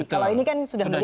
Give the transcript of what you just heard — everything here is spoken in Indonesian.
kalau ini kan sudah menjadi